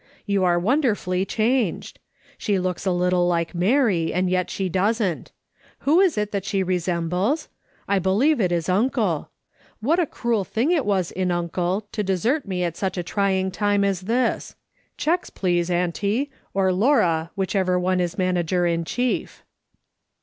You are wonderfully changed. She looks a little like INIary, and yet she doesn't. Who is it that she resembles ? I believe it is uncle. What a cruel thing it was in uncle to desert me at such a trying time as this ? Checks, please, auntie, or Laura, whichever is manager iu chief."